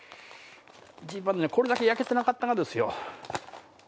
これだけ焼けてなかったですよ。